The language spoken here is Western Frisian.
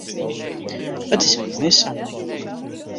It is in moaie samling.